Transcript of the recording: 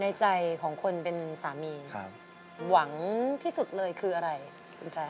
ในใจของคนเป็นสามีครับหวังที่สุดเลยคืออะไรคุณตา